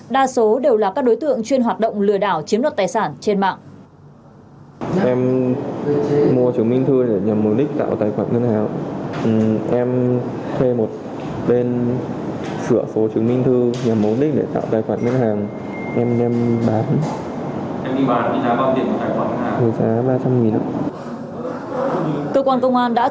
đa số đều là các đối tượng chuyên hoạt động lừa đảo chiếm đoạt tài sản trên mạng